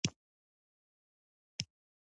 شیدې د بدن کمزوري پوره کوي